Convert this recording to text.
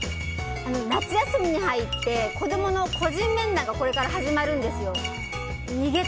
夏休みに入って子供の個人面談がこれから始まるんですよ。